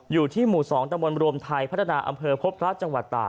อยู่ที่หมู่๒ตะบนรวมไทยพัฒนาอำเภอพบพระจังหวัดตาก